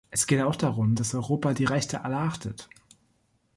Es geht auch darum, dass Europa die Rechte aller achtet.